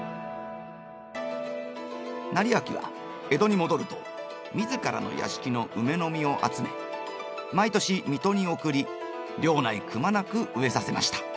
斉昭は江戸に戻ると自らの屋敷のウメの実を集め毎年水戸に送り領内くまなく植えさせました。